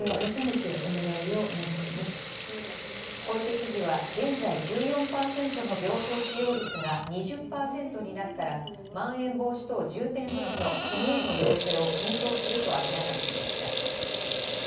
小池知事は現在１４％の病床使用率が２０％になったらまん延防止等重点措置の国への要請を検討すると明らかにしました。